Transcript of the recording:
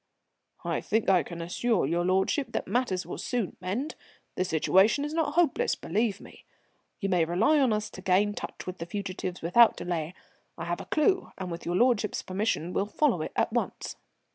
"I think I can assure your lordship that matters will soon mend. The situation is not hopeless, believe me. You may rely on us to regain touch with the fugitives without delay. I have a clue, and with your lordship's permission will follow it at once."